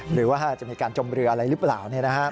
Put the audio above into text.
หรือว่าจะมีการจมเรืออะไรหรือเปล่า